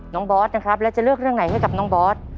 บอสนะครับแล้วจะเลือกเรื่องไหนให้กับน้องบอส